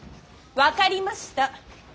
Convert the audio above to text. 分かりました。